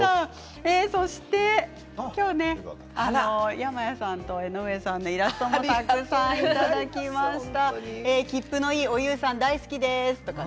山谷さんと江上さんのイラストもたくさんいただきました。